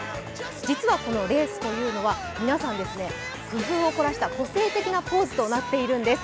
実はこのレースというのは皆さん、工夫を凝らした個性的なポーズとなっているんです。